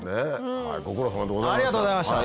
ご苦労さまでございました。